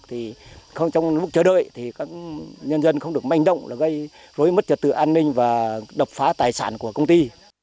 trong lúc chờ đợi nhân dân không được manh động gây rối mất trật tự an ninh và đập phá tài sản của công ty